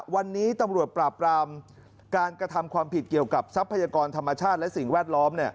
วันนี้ตำรวจปราบรามการกระทำความผิดเกี่ยวกับทรัพยากรธรรมชาติและสิ่งแวดล้อม